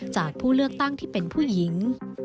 จากผู้เลือกตั้งที่เป็นผู้หญิง